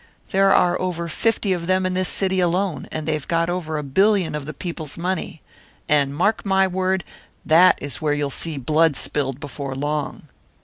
There are over fifty of them in this city alone, and they've got over a billion of the people's money. And, mark my word, that is where you'll see blood spilled before long."